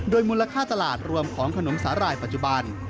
มูลค่าตลาดรวมของขนมสาหร่ายปัจจุบัน